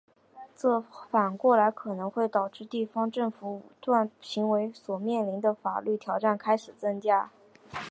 这反过来可能会导致地方政府武断行为所面临的法律挑战开始增加。